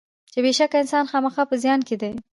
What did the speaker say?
چې بېشکه انسان خامخا په زیان کې دی.